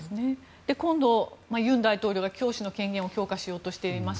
今度、尹大統領が教師の権限を強化しようとしています。